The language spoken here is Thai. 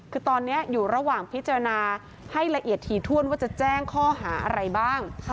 คือตอนนี้อยู่ระหว่างพิจารณาให้ละเอียดถี่ถ้วนว่าจะแจ้งข้อหาอะไรบ้าง